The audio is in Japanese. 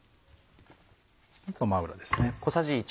ごま油ですね。